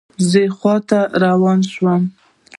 زه یې خواته روان شوم.